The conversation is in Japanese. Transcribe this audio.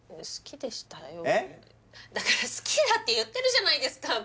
だから好きだって言ってるじゃないですか！